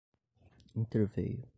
interveio